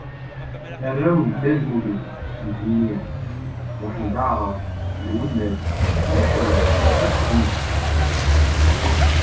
Arraw n Dda Lmulud: Mhenni, Muḥend Aɛṛab, Lwennas, Uleḥlu akked nekk.